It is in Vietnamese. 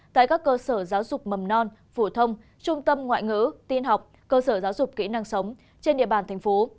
tại các cơ sở giáo dục mầm non phủ thông trung tâm ngoại ngữ tiên học cơ sở giáo dục kỹ năng sống trên địa bàn tp